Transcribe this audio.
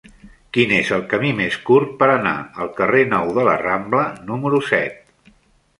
Quin és el camí més curt per anar al carrer Nou de la Rambla número set?